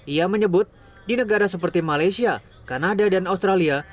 ia menyebut di negara seperti malaysia kanada dan australia